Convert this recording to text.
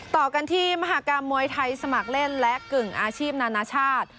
ต่อกันที่มหากรรมมวยไทยสมัครเล่นและกึ่งอาชีพนานาชาติ